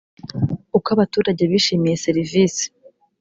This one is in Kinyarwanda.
uko abaturage bishimiye serivisi